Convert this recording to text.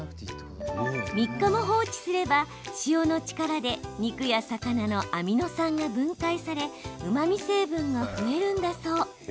３日も放置すれば塩の力で肉や魚のアミノ酸が分解されうまみ成分が増えるんだそう。